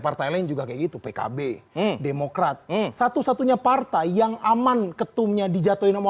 partai lain juga kayak gitu pkb demokrat satu satunya partai yang aman ketum nya di jatuhin